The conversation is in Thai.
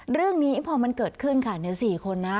เรื่องนี้พอมันเกิดขึ้นค่ะใน๔คนนะ